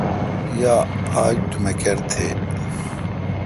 یا آج دومکر تھے°۔